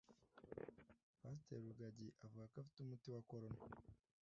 Paster rugagi avugako afite umuti wa corona